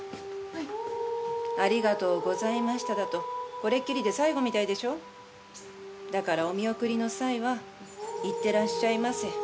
はい「ありがとうございました」だとこれっきりで最後みたいでしょだからお見送りの際は「いってらっしゃいませ」